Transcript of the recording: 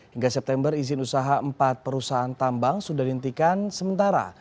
hingga september izin usaha empat perusahaan tambang sudah dihentikan sementara